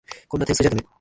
こんな点数じゃだめ。